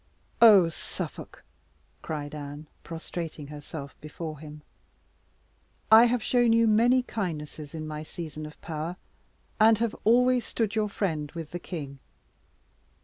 "Oh, Suffolk!" cried Anne, prostrating herself before him, "I have shown you many kindnesses in my season of power, and have always stood your friend with the king.